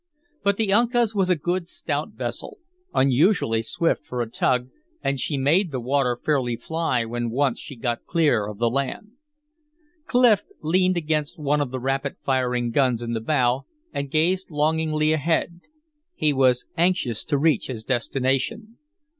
But the Uncas was a good, stout vessel, unusually swift for a tug, and she made the water fairly fly when once she got clear of the land. Clif leaned against one of the rapid firing guns in the bow and gazed longingly ahead; he was anxious to reach his destination.